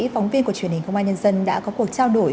phóng viên của truyền hình công an nhân dân đã có cuộc trao đổi